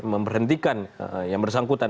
memperhentikan yang bersangkutan